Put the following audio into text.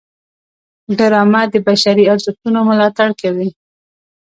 ډرامه د بشري ارزښتونو ملاتړ کوي